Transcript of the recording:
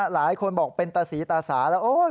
หลายคนบอกเป็นตาสีตาสาแล้วโอ๊ย